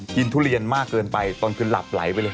ทุเรียนมากเกินไปตอนคืนหลับไหลไปเลย